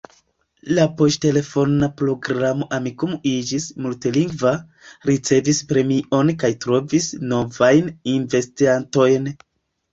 La poŝtelefona programo Amikumu iĝis multlingva, ricevis premion kaj trovis novajn investantojn.